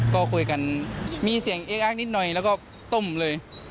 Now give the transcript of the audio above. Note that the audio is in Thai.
ก็คุยกันมีเสียงเอ็กอักนิดหน่อยแล้วก็ต้มเลย